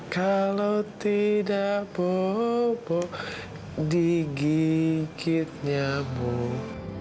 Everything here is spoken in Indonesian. kalau tidak bobo digigit nyamuk